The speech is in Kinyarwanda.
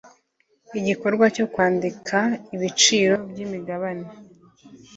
igikorwa cyo kwandika ibiciro by imigabane